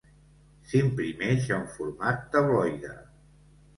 S'imprimeix en format tabloide.